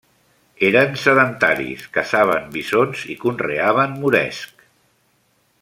Eren sedentaris, caçaven bisons i conreaven moresc.